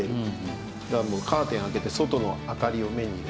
カーテン開けて外の明かりを目に入れる。